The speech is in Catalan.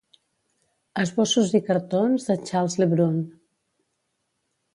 Esbossos i cartons de Charles Le Brun.